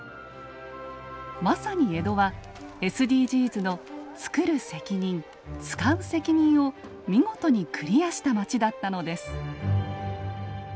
まさに江戸はＳＤＧｓの「つくる責任つかう責任」を見事にクリアした街だったのです。